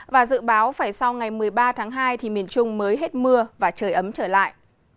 và dự báo phải sau ngày một mươi ba tháng hai thì miền trung mới hết mưa và trời ấm trở lại